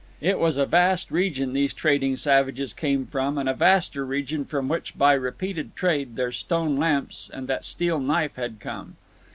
It was a vast region these trading savages came from, and a vaster region from which, by repeated trade, their stone lamps and that steel knife had come.